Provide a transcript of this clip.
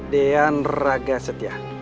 dean raga setia